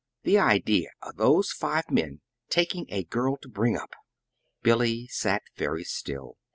The idea of those five men taking a girl to bring up!" Billy sat very still.